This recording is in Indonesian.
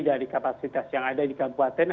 dari kapasitas yang ada di kabupaten